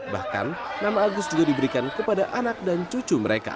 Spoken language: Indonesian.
bahkan nama agus juga diberikan kepada anak dan cucu mereka